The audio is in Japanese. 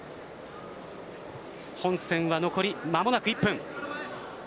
本戦は残り間もなく１分。